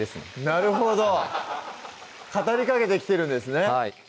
なるほど語りかけてきてるんですね